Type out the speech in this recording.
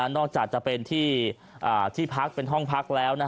นอกจากจะเป็นที่พักเป็นห้องพักแล้ว